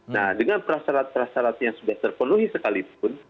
nah dengan prasarat prasarat yang sudah terpenuhi sekalipun